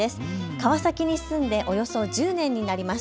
川崎に住んでおよそ１０年になります。